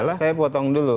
tidak saya potong dulu